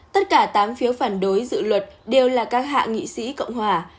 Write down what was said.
tất cả tám phiếu phản đối dự luật đều là các hạ nghị sĩ cộng hòa